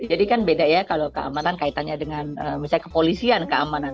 jadi kan beda ya kalau keamanan kaitannya dengan misalnya kepolisian keamanan